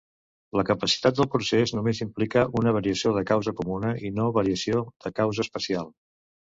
La capacitat del procés només implica una variació de causa comuna i no variació de causa especial.